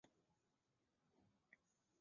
扶南的首都位于此处。